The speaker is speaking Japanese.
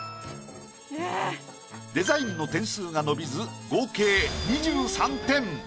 デザインの点数が伸びず合計２３点。